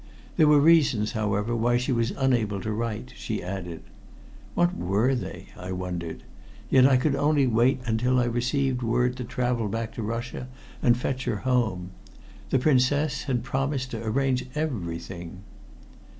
There were reasons, however, why she was unable to write, she added. What were they, I wondered? Yet I could only wait until I received word to travel back to Russia and fetch her home. The Princess had promised to arrange everything.